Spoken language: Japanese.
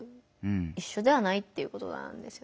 いっしょではないっていうことなんですよね。